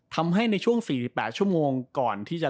ในช่วง๔๘ชั่วโมงก่อนที่จะ